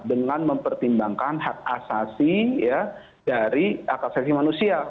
dengan mempertimbangkan hak asasi dari hak asasi manusia